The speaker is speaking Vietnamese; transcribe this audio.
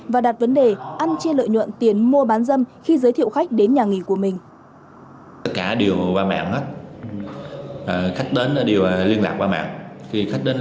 và đặt vấn đề ăn chia lợi nhuận tiền mua bán dâm khi giới thiệu khách đến nhà nghỉ của mình